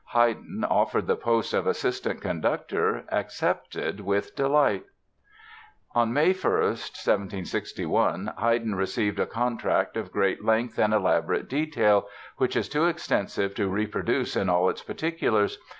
Haydn, offered the post of assistant conductor, accepted with delight. On May 1, 1761, Haydn received a contract, of great length and elaborate detail, which is too extensive to reproduce in all its particulars.